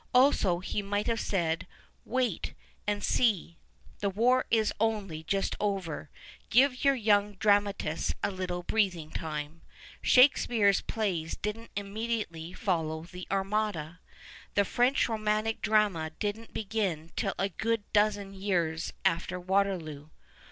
Also he might have said, wait and see. The war is only just over ; give your young dramatists a little breathing time. Shakespeare's plays didn't immediately follow the Armada. The French Romantic Drama didn't begin till a good dozen years after Waterloo.